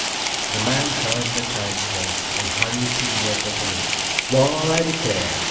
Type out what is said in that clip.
The man heard the child's voice and hurried to the edge of the lake. "Wall, I declare!"